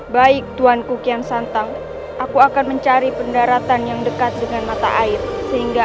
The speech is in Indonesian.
baik tuanku kian santang aku akan mencari pendaratan yang dekat dengan mata air sehingga